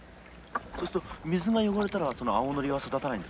そうすると水が汚れたらその青ノリは育たないんですか？